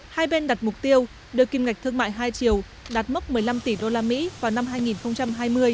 hai bên đặt mục tiêu đưa kim ngạch thương mại hai triệu đạt mốc một mươi năm tỷ usd vào năm hai nghìn hai mươi